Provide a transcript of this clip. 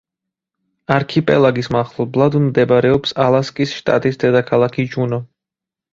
არქიპელაგის მახლობლად მდებარეობს ალასკის შტატის დედაქალაქი ჯუნო.